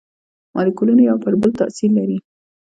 مالیکولونه یو پر بل تاثیر لري.